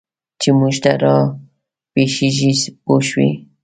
چې موږ ته را پېښېږي پوه شوې!.